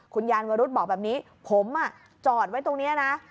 คุณยานวรุษบอกแบบนี้ผมจอดไว้ตรงนี้นะ